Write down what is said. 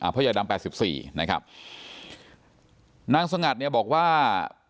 พ่อใหญ่ดำ๘๔นะครับนางสงัดบอกว่า